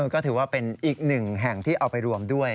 ก็ถือว่าเป็นอีกหนึ่งแห่งที่เอาไปรวมด้วย